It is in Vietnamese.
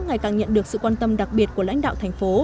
ngày càng nhận được sự quan tâm đặc biệt của lãnh đạo thành phố